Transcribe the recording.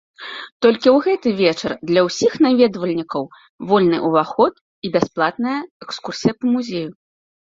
Толькі ў гэты вечар для ўсіх наведвальнікаў вольны ўваход і бясплатная экскурсія па музею.